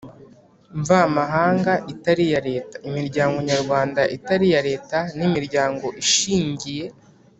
mvamahanga itari iya Leta Imiryango nyarwanda itari iya Leta n Imiryango ishingiye